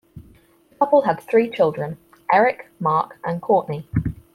The couple had three children, Eric, Mark and Courtney.